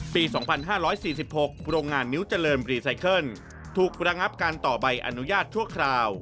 ปี๒๕๔๖โรงงานนิ้วเจริญรีไซเคิลถูกระงับการต่อใบอนุญาตชั่วคราว